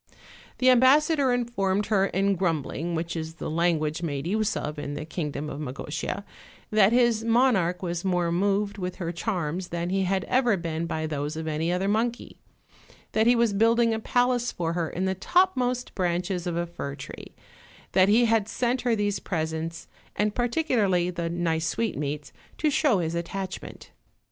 The ambassador informed her in grumbling, which is the language made use of in the kingdom of Magotia, that his monarch was more moved with her charms than he had ever been by those of any other monkey; that he was building a palace for her in the topmost branches of a fir tree; that he had sent her these presents, and par ticularly the nice sweetmeats, to show his attachment.